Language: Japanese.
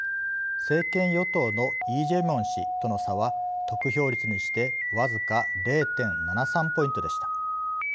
政権与党のイ・ジェミョン氏との差は得票率にしてわずか０．７３ポイントでした。